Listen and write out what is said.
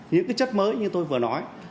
những cái chất mới như tôi vừa nói